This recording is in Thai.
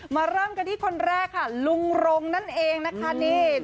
เริ่มกันที่คนแรกค่ะลุงรงนั่นเองนะคะนี่